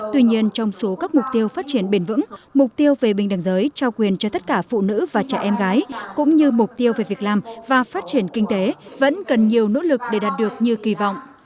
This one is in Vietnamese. tuy nhiên trong số các mục tiêu phát triển bền vững mục tiêu về bình đẳng giới trao quyền cho tất cả phụ nữ và trẻ em gái cũng như mục tiêu về việc làm và phát triển kinh tế vẫn cần nhiều nỗ lực để đạt được như kỳ vọng